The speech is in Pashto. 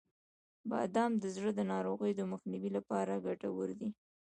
• بادام د زړه د ناروغیو د مخنیوي لپاره ګټور دي.